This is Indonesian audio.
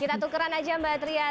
kita tukeran aja mbak tria